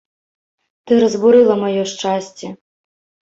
Ты разбурыла маё шчасце.